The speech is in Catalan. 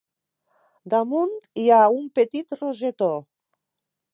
Damunt hi ha un petit rosetó.